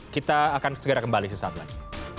kita akan segera kembali sesaat lagi